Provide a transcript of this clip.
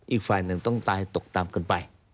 อีกฝ่ายหนึ่งต้องตายตกต่ำเกินไป